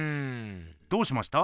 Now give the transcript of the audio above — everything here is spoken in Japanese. どうしました？